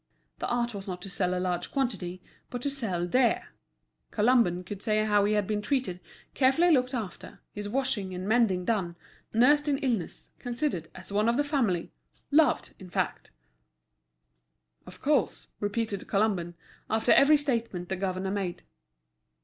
The art was not to sell a large quantity, but to sell dear. Colomban could say how he had been treated, carefully looked after, his washing and mending done, nursed in illness, considered as one of the family—loved, in fact! "Of course," repeated Colomban, after every statement the governor made.